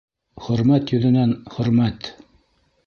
Хөрмәт йөҙөнән, хөрмәт!